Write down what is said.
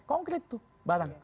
konkret tuh barang